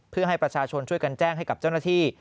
เพื่อให้ประชาชนช่วยกันแจ้งให้กับเจ้าหน้าที่